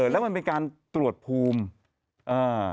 แล้วมันเป็นการตรวจภูมิอ่า